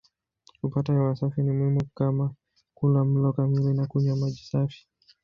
Kupata hewa safi ni muhimu kama kula mlo kamili na kunywa maji safi.